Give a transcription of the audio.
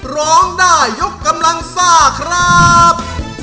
ร้องได้ยกกำลังซ่าครับ